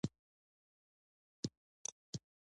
ماته په ټولو ژبو کې جرمني ژبه خوښه شوه